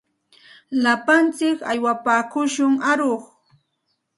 Lapantsik aywapaakushun aruq.